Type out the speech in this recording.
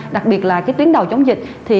đặc biệt là tuyến đầu chống dịch